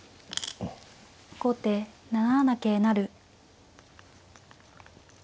後手７七桂成。